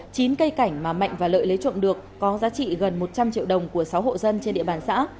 chín cây cảnh mà mạnh và lợi lấy trộm được có giá trị gần một trăm linh triệu đồng của sáu hộ dân trên địa bàn xã